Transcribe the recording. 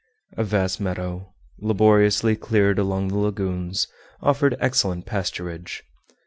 A vast meadow, laboriously cleared along the lagoons, offered excellent pasturage.